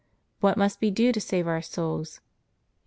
What must we do to save our souls?